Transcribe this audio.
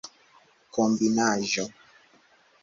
kombinaĵo